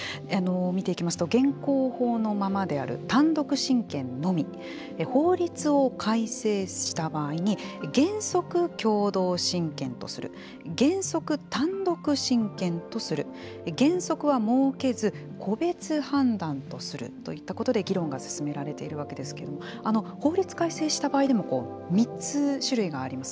見ていきますと現行法のままである単独親権のみ法律を改正した場合に原則共同親権とする原則単独親権とする原則は設けず、個別判断とするといったことで議論が進められているわけですけれども法律改正した場合でも３つ種類があります。